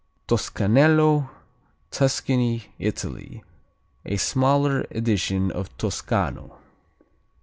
Toscanello Tuscany, Italy A smaller edition of Toscano.